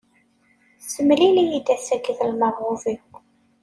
Ssemlil-iyi-d ass-agi d lmerɣub-iw.